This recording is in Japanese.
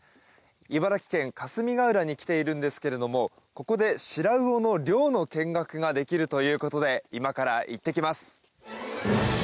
茨城県・霞ヶ浦に来ているんですけれどもここでシラウオの漁の見学ができるということで今から行ってきます。